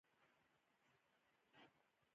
آیا د مس عینک کان د نړۍ لوی کان دی؟